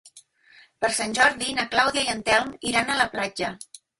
Per Sant Jordi na Clàudia i en Telm iran a la platja.